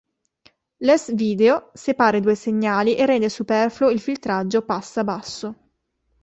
L'S-Video separa i due segnali e rende superfluo il filtraggio passa-basso.